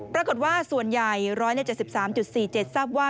ปรากฏว่าส่วนใหญ่๑๗๓๔๗ทราบว่า